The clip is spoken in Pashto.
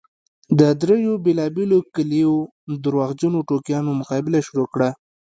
د دريو بېلابېلو کليو درواغجنو ټوکیانو مقابله شروع کړه.